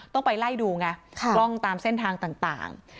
ต้องไปไล่ดูไงกล้องตามเส้นทางต่าง